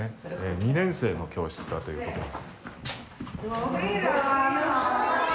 ２年生の教室だということです。